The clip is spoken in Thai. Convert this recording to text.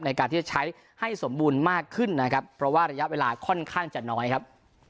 ในการที่จะใช้ให้สมบูรณ์มากขึ้นนะครับเพราะว่าระยะเวลาค่อนข้างจะน้อยครับ